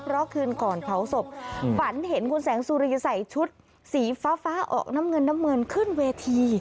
เพราะคืนก่อนเผาศพฝันเห็นคุณแสงสุรีใส่ชุดสีฟ้าออกน้ำเงินน้ำเงินขึ้นเวที